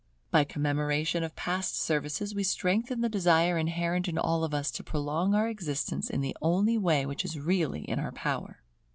By commemoration of past services we strengthen the desire inherent in all of us to prolong our existence in the only way which is really in our power.